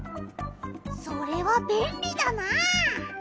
それはべんりだなあ！